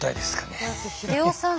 だって英世さん